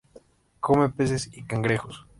Come peces y cangrejos.